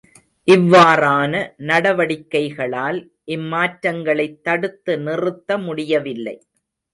இவ்வாறான நடவடிக்கைகளால் இம்மாற்றங்களைத் தடுத்து நிறுத்த முடியவில்லை.